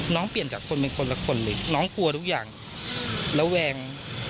น้องเปลี่ยนจากคนคนละคนเลยน้องกลัวทุกอย่างแล้วแวง